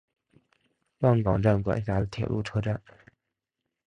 浪冈站管辖的铁路车站。